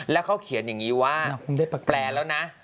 แล้วเขาเขียนอย่างนี้ว่าคุณได้แปลแล้วนะ